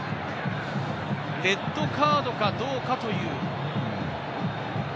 レッドカードかどうかという。